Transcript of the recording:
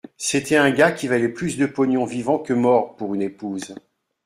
C’était un gars qui valait plus de pognon vivant que mort, pour une épouse